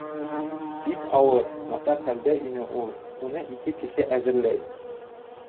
Бик ауыр, насар хәлдә ине ул. Уны ике кеше әҙерләй.